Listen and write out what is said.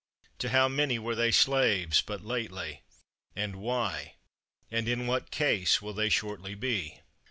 To how many were they slaves but lately, and why! And in what case will they shortly be?